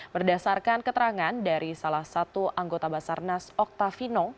berdasarkan keterangan dari salah satu anggota basarnas oktavino